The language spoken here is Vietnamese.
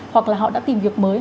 hoặc là họ đã tìm việc mới